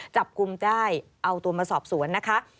จับกลุ่มได้เอาตัวมาสอบสวนนะคะ